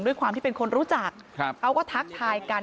ด้วยความที่เป็นคนรู้จักเขาก็ทักทายกัน